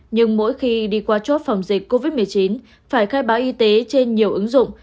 nhưng mỗi khi đi qua chốt phòng dịch covid một mươi chín phải khai báo y tế trên nhiều ứng dụng